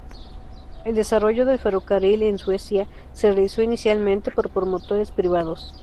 El desarrollo del ferrocarril en Suecia se realizó inicialmente por promotores privados.